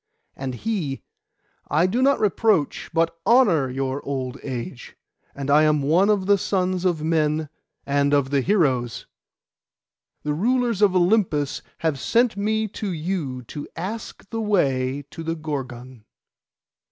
And he, 'I do not reproach, but honour your old age, and I am one of the sons of men and of the heroes. The rulers of Olympus have sent me to you to ask the way to the Gorgon.